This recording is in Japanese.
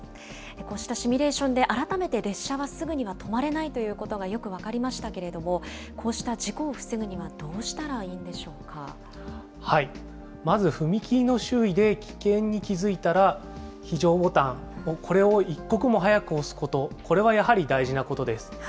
こうしたシミュレーションで改めて、列車はすぐには止まれないということがよく分かりましたけれども、こうした事故を防ぐには、まず踏切の周囲で危険に気付いたら、非常ボタン、これを一刻も早く押すこと、これはやはり大事なことです。